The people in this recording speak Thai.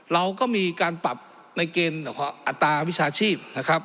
เราก็มีการปรับในเกณฑ์อัตราวิชาชีพนะครับ